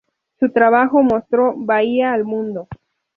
Su trabajo mostró Bahía al mundo.